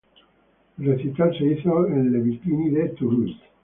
El recital se hizo en Le Bikini de Toulouse.